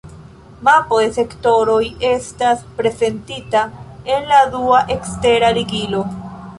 Mapo de sektoroj estas prezentita en la dua ekstera ligilo.